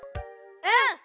うん！